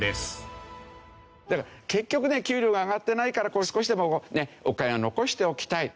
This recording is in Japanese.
結局ね給料が上がってないから少しでもお金は残しておきたい。